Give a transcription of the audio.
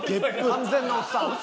完全なおっさん。